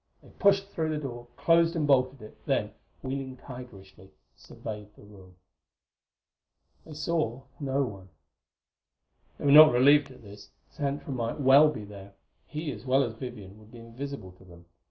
They pushed through the door, closed and bolted it, then, wheeling tigerishly, surveyed the room. They saw no one. They were not relieved at this. Xantra might well be there; he, as well as Vivian, would be invisible to them.